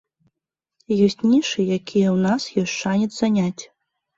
Ёсць нішы, якія ў нас ёсць шанец заняць.